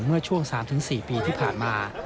เมื่อช่วง๓๔ปีที่ผ่านมา